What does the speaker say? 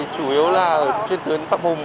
chủ yếu là trên tuyến pháp hùng